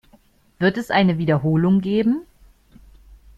Wird es eine Wiederholung geben?